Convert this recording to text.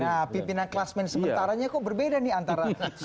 nah pimpinan klasmen sementaranya kok berbeda nih antara